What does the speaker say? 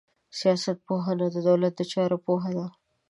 سياست پوهنه د دولت د چارو پوهه ده.